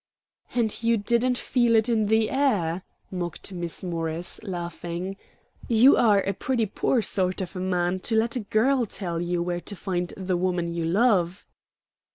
"And you didn't feel it in the air!" mocked Miss Morris, laughing. "You are a pretty poor sort of a man to let a girl tell you where to find the woman you love."